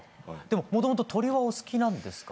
もともと鳥はお好きなんですか？